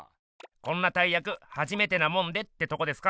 こんな大やくはじめてなもんでってとこですか？